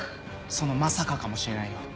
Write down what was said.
そのまさかかもしれないよ。